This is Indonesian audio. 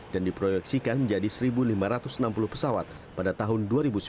dan diproyeksikan menjadi satu lima ratus enam puluh pesawat pada tahun dua ribu sembilan belas